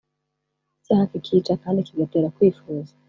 icyaha kikica kandi kigatera kwifuza